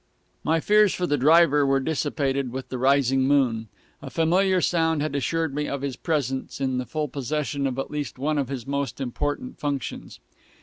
My fears for the driver were dissipated with the rising moon. A familiar sound had assured me of his presence in the full possession of at least one of his most important functions.